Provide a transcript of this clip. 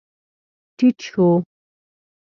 ټيټ شو.